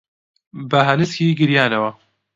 بە هەنسکی گریانەوە